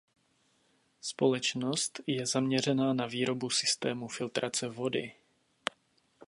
Společnost je zaměřená na výrobu systémů filtrace vody.